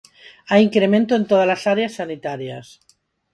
Hai incremento en todas as áreas sanitarias.